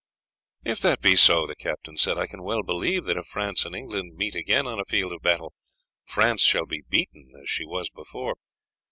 "If that be so," the captain said, "I can well believe that if France and England meet again on a field of battle France shall be beaten as she was before.